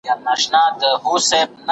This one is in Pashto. بدن مو د بریا لپاره پیاوړی کړئ.